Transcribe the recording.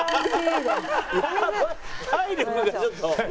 体力がちょっと。